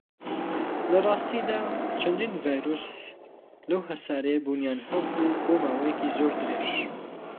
لەڕاستیدا، چەندین ڤایرۆس لەو هەسارەیە بوونیان هەبووە بۆ ماوەیەکی زۆر درێژ.